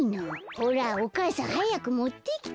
ほらお母さんはやくもってきて。